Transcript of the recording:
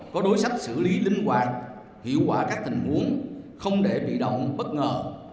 có đối sách xử lý linh hoạt hiệu quả các tình huống không để bị động bất ngờ